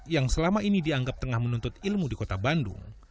yang selama ini dianggap tengah menuntut ilmu di kota bandung